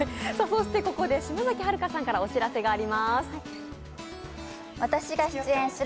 そしてここで島崎遥香さんからお知らせがあります。